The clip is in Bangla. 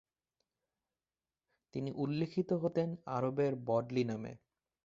তিনি উল্লিখিত হতেন আরবের বডলি নামে।